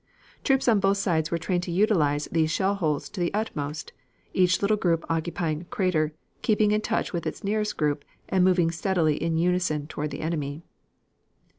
Troops on both sides were trained to utilize these shell holes to the utmost, each little group occupying a crater, keeping in touch with its nearest group and moving steadily in unison toward the enemy.